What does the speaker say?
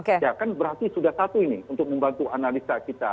ya kan berarti sudah satu ini untuk membantu analisa kita